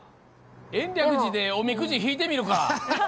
延暦寺で、おみくじ引いてみるか。